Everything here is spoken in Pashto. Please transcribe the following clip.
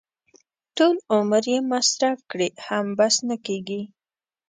ټول عمر یې مصرف کړي هم بس نه کېږي.